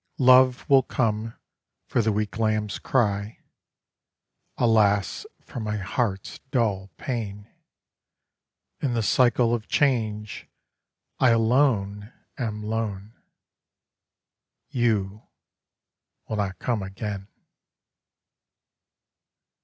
Love will come for the weak lambs' cry; Alas for my heart's dull pain! In the cycle of change I alone am lone: You will not come again.